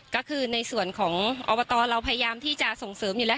ก็คือในส่วนของอบตเราพยายามที่จะส่งเสริมอยู่แล้ว